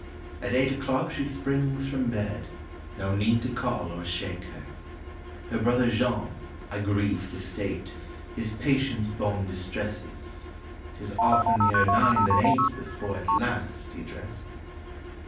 At eight o'clock she springs from bed No need to call or shake her. Her brother Jean—I grieve to state— His patient bonne distresses; 'Tis often nearer nine than eight Before at last he dresses.